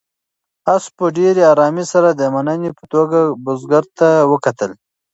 آس په ډېرې آرامۍ سره د مننې په توګه بزګر ته وکتل.